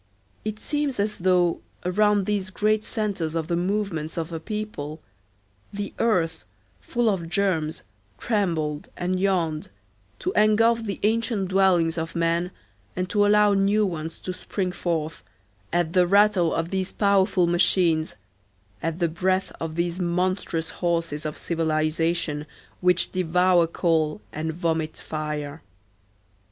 It seems as though, around these great centres of the movements of a people, the earth, full of germs, trembled and yawned, to engulf the ancient dwellings of men and to allow new ones to spring forth, at the rattle of these powerful machines, at the breath of these monstrous horses of civilization which devour coal and vomit fire.